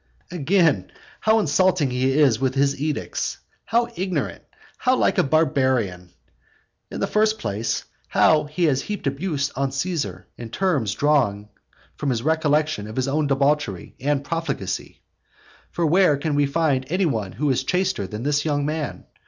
Again, how insulting is he in his edicts! how ignorant! How like a barbarian! In the first place, how has he heaped abuse on Caesar, in terms drawn from his recollection of his own debauchery and profligacy. For where can we find any one who is chaster than this young man?